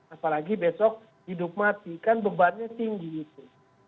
apalagi besok hidup mati kan bebannya tinggi itu